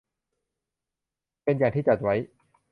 เป็นอย่างที่จัดไว้